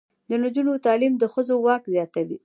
د نجونو تعلیم د ښځو واک زیاتوي.